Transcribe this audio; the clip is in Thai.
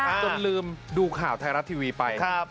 จนลืมดูข่าวไทยรัฐทีวีไป